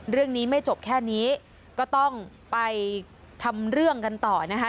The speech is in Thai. เรื่องนี้ไม่จบแค่นี้ก็ต้องไปทำเรื่องกันต่อนะคะ